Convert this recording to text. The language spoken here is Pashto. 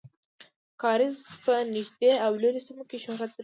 کاریز په نږدې او لرې سیمو کې شهرت درلود.